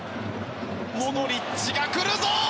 モドリッチが来るぞ！